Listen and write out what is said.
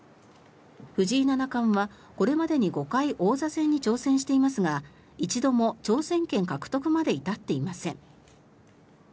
藤井七冠はこれまでに５回王座戦に挑戦していますが一度も挑戦権獲得まで至っていません。